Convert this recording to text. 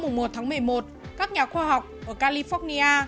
mùng một tháng một mươi một các nhà khoa học ở california